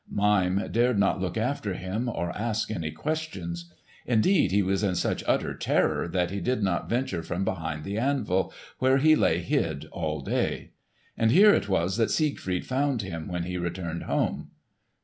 Mime dared not look after him or ask any questions. Indeed, he was in such utter terror that he did not venture from behind the anvil, where he lay hid all day. And here it was that Siegfried found him when he returned home.